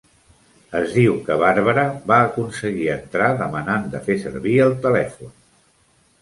Es diu que Barbara va aconseguir entrar demanant de fer servir el telèfon.